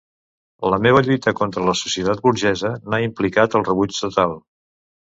La meva lluita contra la societat burgesa n'ha implicat el rebuig total.